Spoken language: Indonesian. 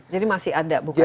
jadi masih ada buka cabang baru